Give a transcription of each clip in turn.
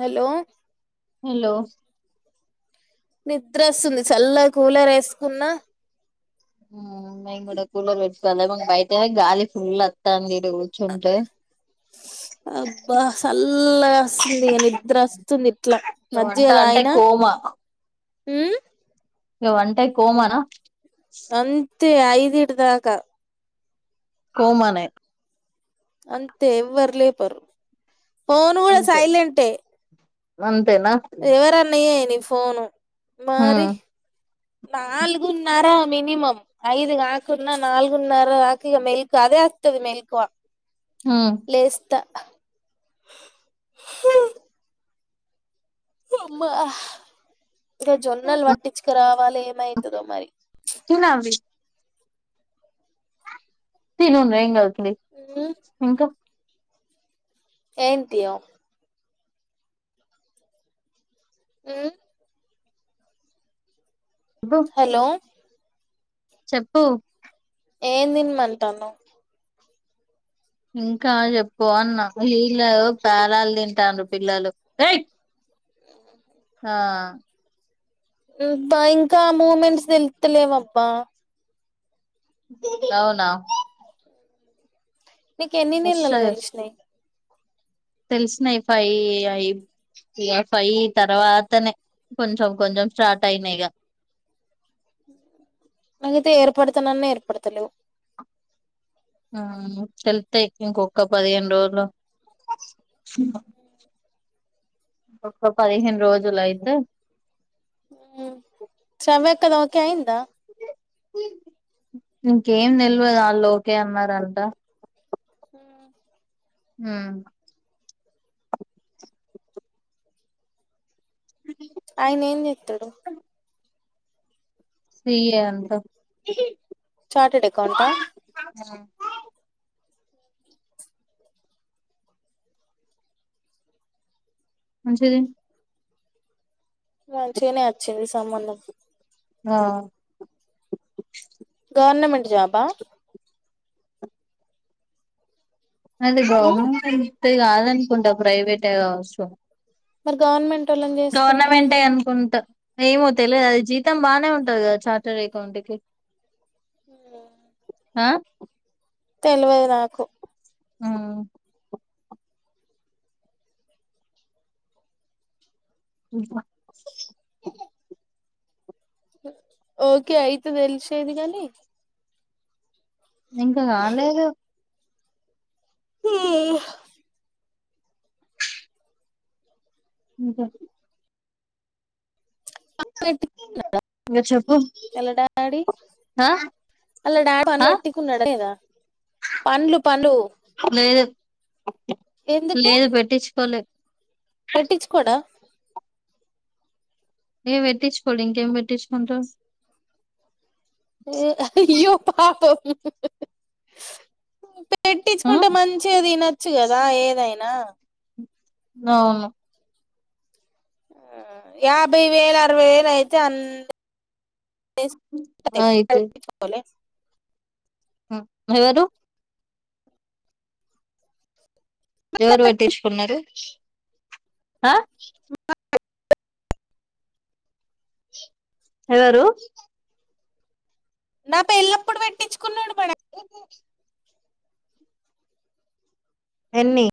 Hello hello నిద్రస్తుంది సల్ల cooler ఏసుకున్న ఆ మేం కూడా కూలర్ పెట్టుకోలే మాకు బయటనే గాలి ఫుల్ అత్తంది కూర్చుంటే స్స్ అబ్బా సల్లగస్తుంది ఇగా నిద్ర అస్తుంది ఇట్లా ఇగ మజ్జిగ వంట దాగి అంటే కోమా ఉ నువ్ బంటే కోమాన అంతే ఐదిటి దాకా కోమనే అంతే ఎవ్వరు లేపరు ఫోన్ గూడ అంతే సైలెంటే అంతేనా ఎవరన్న జేయని ఫోను హ్మ్ మారి నాలుగున్నర మినిమం ఐదు గాకున్నా నాల్గున్నర దాకా ఇగ మెల్క అదే అత్తది మెల్కువ హ్మ్ లేస్తా అమ్మా ఇగా జొన్నలు పట్టిచ్చుక రావాలి ఏమయితదో మరి తినావి [unintelligible] తినుండ్రి ఏం గాదు తిను ఉమ్ ఇంకా ఏంటియో ఉ చెప్పు హలో చెప్పు ఏం దిన్మంటన్నవ్ ఇంకా జెప్పు అన్నా వీళ్ళ పేళాలు దింటాండ్రు పిల్లలు ఎయ్ ఆ ఆ ఇ బా ఇంకా మూమెంట్స్ తెలుస్తలేవబ్బా అవునా నీకు ఎన్ని నీళ్ళల్లా వస్తది తెలిసినయ్ తెలిసినయి ఫై ఐ ఇగ ఫై తర్వాతనే కొంచెం కొంచెం స్టార్ట్ అయినాయిగా అయితే ఏర్పడుతనన్న ఏర్పడతలేవు ఆ అవును తెలుత్తాయి ఇంకొక్క పదిహేను రోజులు ఉ ఒక్క పదిహేను రోజులు అయితే ఉ శ్రావ్యక్కది ఒకే అయిందా ఇంకేం డెల్వదు ఆళ్ళు ఒకే అన్నారంట ఆ హ్మ్ ఆయనేం చెత్తడు. సి ఏ అంట చాటేడ్ అకౌంటా ఉమ్ మంచిది మంచిగనే వచ్చింది సంబంధం ఆ జాబ అది ఉమ్ గవర్నమెంటయితే కాదనుకుంటా ప్రైవేటే కావచ్చు. మర్ గవర్నమెం గవర్నమెంటే అనుకుంట ఏమో తెలియదు అది జీతం బాగానే ఉంటది కదా చార్టెడ్ అకౌంట్కిి మ్ ఆ తెలవదు నాకు ఆ [unintelligible] ఓకే అయితే తెలిసేది కాని ఇంకా కాలేదు. హ ఇంకేంటి ఇంగ చెప్పు ఆ అల్లుడా పన్లు ఆ పెట్టుకున్నాడ లేదా పన్లు పన్లు లేదు లేదు పెట్టిచ్చుకోలే పెట్టిచ్చుకోడా ఇగ పెట్టిచ్చుకోడు ఇంకేం పెట్టిచ్చుకుంట ఏ అయ్యో పాపం. ఆ పెట్టిచ్చుకుంటే మంచిగ తినచ్చు కదా ఏదైనా అవును. ఆ యాభై వేలు అరవై వేలు అయితే అంద్ ఆ, [unintelligible] మ్ ఎవరు ఎవరు పెట్టిచ్చుకున్నరు ఆ ఎవరు నా పెల్లప్పుడు పెట్టించుకున్నడు మ ఎన్ని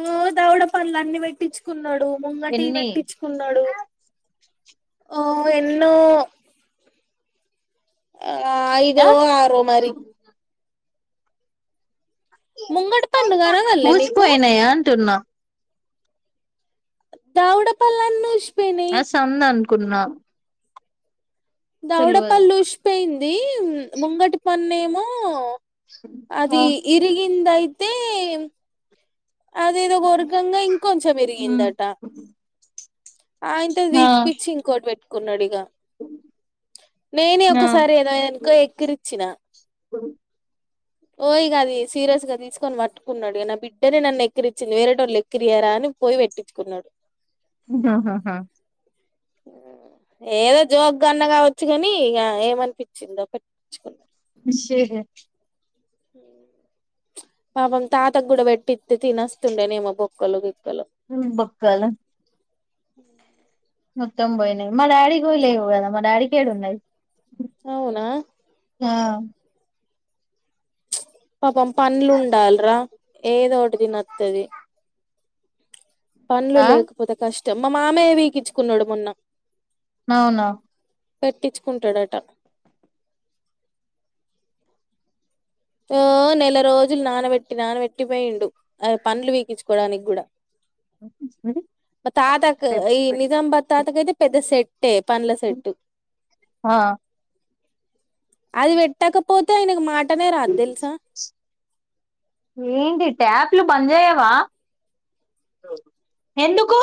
ఆ దవడ పండ్లన్ని పెట్టించుకున్నాడు. ముంగటివి ఎన్ని పెట్టించుకున్నాడు. ఆ ఎన్నో ఆ ఐదో ఆ ఆరో మరి ముంగటి పన్ను కనపడ్లే నీకు పూసిపోయినాయా అంటున్నా దౌడ పల్లన్ని ఉష్ అస్తందునుకున్నాం. దౌడపల్ళు ఉషిపోయింది. ముంగటి పన్నేమో ఆ కిందయితే అదేదో కొరకంగ ఇంకొంచెం ఉమ్ ఇరిగిందట ఆయన్తో ఆ పీక్ పిచ్చి ఇంకోటి పెట్టుకున్నాడు ఇగ నేనే ఆ ఒకసారి ఏదాన్నుకో ఎక్కిరిచ్చిన స ఓయి గది సీరియస్ గా తీసుకొని పట్టుకున్నాడు. నా బిడ్డనే నన్ను ఎకిరిచ్చింది. వేరే టో ళ్ళు ఎక్కిరియారా నన్ను. పోయి పెట్టించుకున్నాడు. ఆహాహా! ఏదో జోగ్గా అన్నా కావచ్చు కానీ, ఏమనిపించిందో ఒకటి. [unintelligible] పాపం తాత కూడా పెట్టిత్తె తినస్తుండేనే ఏమో బొక్కలు గిక్కలు. మ్, బొక్కలు మొత్తం పోయినాయి. మా డాడీకిలేవు కదా మా డాడీకేడ ఉన్నాయి. అవునా? ఆ పాపం పండ్లు ఉండాలరా ఏదోటి తినోత్తాది. పండ్లు ఆ లేకపోతే కష్టం. మా మామయ్య పీకించుకున్నాడు మొన్న. అవునా! పెట్టించుకుంటాడట. నెల రోజులు నానబెట్టి నానబెట్టి పోయిండు అ పండ్లు పీకించుకోవడానికి కూడా. మా తాతకు ఈ నిజాంబాద్ తాతకు అయితే పెద్ద సెట్ ట్టే పండ్ల సెట్టు. ఆ అది పెట్టకపోతే ఆయనకు మాటనే రాదు తెలుసా? ఏంటి ట్యాప్లు బంద్ చేయవా? ఎందుకు?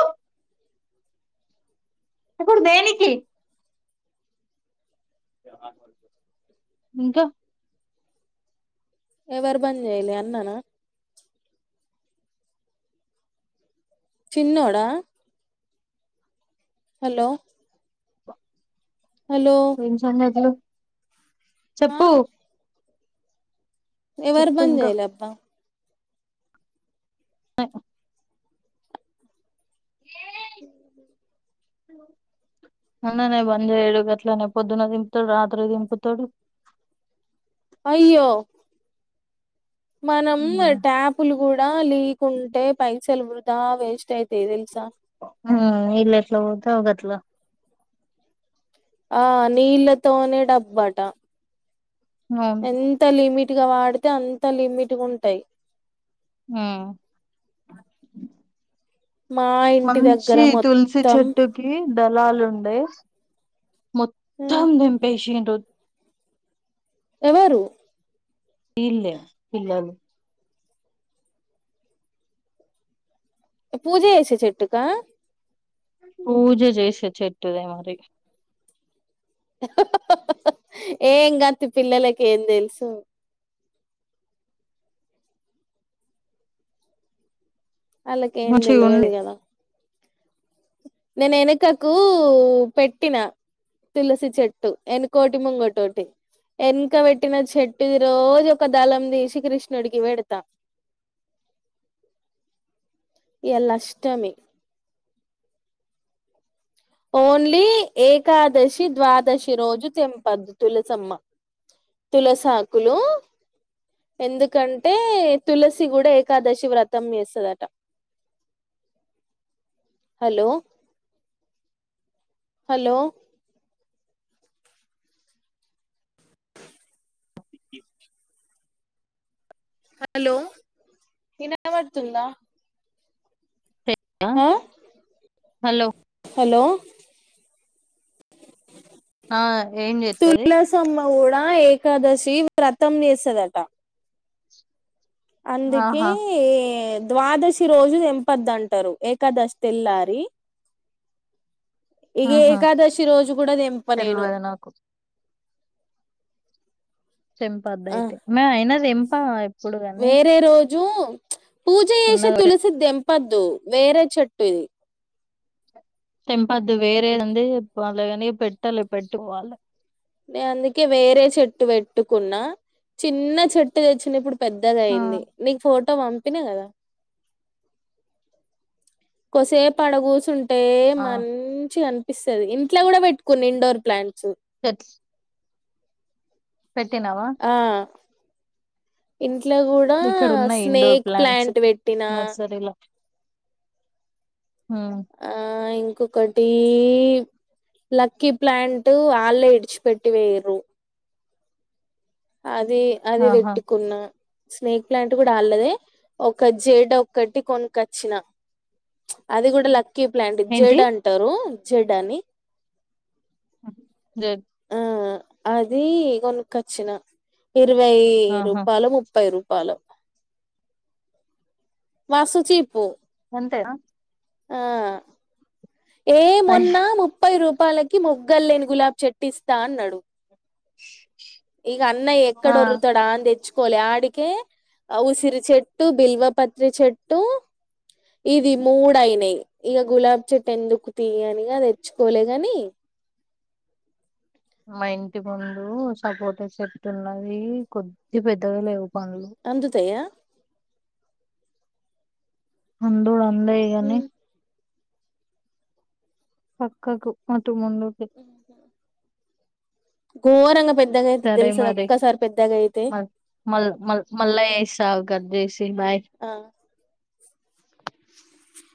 ఇపుడు దేనికి? ఇంకా. ఎవరు బంద్ చేయాలి అన్నానా? చిన్నోడా హలో! హలో ఎంటిసంగతులు ఆ చెప్పు. ఎవరు చెప్పు బంద్ ఇంకా చేయలే అక్కా? అ [unintelligible] హ [unintelligible] హలో! అన్ననే బంద్ చేయడు గట్లనే పొద్దున దింపుతాడు రాత్రి దింపుతాడు. అయ్యో! మనం ట్యాపులు కూడా లీక్ ఉంటే పైసలు వృధా వేస్ట్ అయితాయి తెలుసా? మ్ ఈళ్లు ఎట్ల పోతే గట్ల ఆ నీళ్ళతోనే డబ్బుట. అవును ఎంత లిమిట్గా వాడితే అంత లిమిట్గా ఉంటాయి. మ్ మా ఇంటి దగ్గర మంచి తుల్సి మొత్తం చెట్టుకి దళాలు ఉండ అే మొత్తం ఉమ్, నింపేసిండు. ఎవరు ఈల్లే పిల్లలు. పూజా చేసే చెట్టుకా? పూజ చేసే చెట్టుదే మరి. హ హహ్ హ హహ్ ఏం గాద్ పిల్లలకి ఏం తెలుసు. వాళ్ళకి ఏం మంచిగా ఉండే తెలవదు కదా, నేను వెనుకకు పెట్టినా. తులసి చెట్టు ఎన కోటి ముంగోటోటి. ఏనక వేట్టిన షటుది, రోజు ఒక దళం తీసి కృష్ణుడికి వేడతా. ఎలాష్టమి. ఓన్లీ ఏకాదశి, ద్వాదశి రోజు తెంపద్దు? తులసమ్మ. తులస ఆకులు. ఎందుకంటే? తులసి కూడా ఏకాదశి వ్రతం వేస్తదట. హలో. హలో. హలో! ఇనపడుతుందా? ఏక [unintelligible] హలో. హలో. ఆ ఏం చేత్తది తులసమ్మ, గూడా ఏకాదశి. టివ్, వ్రతం చేస్తదంట? అందుకే, ఆహా ఎయిద. ద్వాదశి రోజు, తెంపదు అంటారు. ఏకాదశి తెల్లారి. ఇగా ఆహా ఏకాదశి రోజు, కూడా తెంపా నేను. తెల్వదు నాకు తెంపద్దు ఆ అయితే! మె అయినా తెంపా ఎప్పుడు కాని. జూ, పూజ చేసే ఉన్నది తులసిద్ తెంపద్దు? వేరే చెట్టు ఇది. తెంపద్దు? వేరేది ఉంది. వలయ అన్ని పెట్టాలి పెట్టుకోవాలి. నే, అందుకే వేరే చెట్టు పెట్టుకున్నా. చిన్న చెట్టు తెచ్చిన ఇప్పుడు. పెద్దగ ఆ అయింది. నీకు ఫోటో. తో పంపిన కదా? కొసేప ఆడ కూసున్నట్టే. టే, ఆ మంచి ఆనపిస్తుది. ఇంట్లో కూడా పెట్టుకున్న ఇండోర్ ప్లాంట్స్. [unintelligible] పెట్టినావా? ఆ ఇంట్లో కూడా ఇక్కడ ఉన్నాయి ఇండోర్ స్నేక్ ప్లాంట్స్ ప్లాంట్ పెట్టినా? నర్సరీలో ఉమ్ ఆ, ఇంకొకటి. లక్కీ ప్లాంట్ అలే ఇచ్చిపెట్టి, పోయిరు. అది, అది ఆహా వెట్టుకున్న. స్నేక్ ప్లాంట్ కూడా, అలదే ఒక జేడ్ ఒకటి కొన్కొచ్చిన. అది కూడా లక్కీ ప్లాంట్. ఏంటి జేడ్ అంటారు జెడ్ అని. మ్, జెడ్. ఆ, అది కొన్కొచ్చిన. ఇరవై ఆహా రూపాలో, ముప్పై రూపాలో. మస్త్ చీప్. అంతేనా? ఆ, ఏ అయ్, మొన్నా ముప్పై రూప్. తపాలకి మొగ్గ లేని, గులాబ్ చెట్టు ఇస్తా అన్నాడు. [inaudible] ఇగ అన్న, ఎక్కడ ఆ ఓరుతాడా అని తెచ్. కోలే అడికే, ఆ ఉసిరి చెట్టు, బిల్వపత్రీ చెట్టు. ఇది మూడు అయినయి. ఇగ గులాబ్ చెట్టు ఎందుకు తీయనిగా తెచ్చుకోలే గానీ. మా ఇంటి ముందు సపోటా చెట్టు ఉన్నది. కొద్ది పెద్దగా లేవ్. అందుతయ్యాయా? అంధుడు అందయి గానీ, పక్కకు, అటు ముందుకి. గోరంగా, పోయింది. సరే మరి, మల్ మల్ మల్ మల్లజేస్తాగు. కాజేసిన్ బాయ్. [unintelligible]